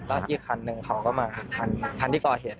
แล้วอีกคันหนึ่งเขาก็มาอีกคันที่ก่อเหตุ